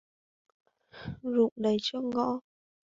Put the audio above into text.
Rụng đầy trước ngõ